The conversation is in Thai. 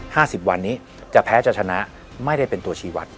สิบวันนี้จะแพ้จะชนะไม่ได้เป็นตัวชีวัตร